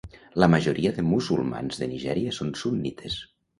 La majoria de musulmans de Nigèria són sunnites.